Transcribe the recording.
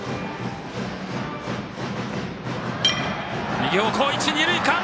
右方向、一、二塁間！